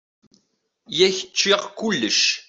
Yak ččiɣ kulec.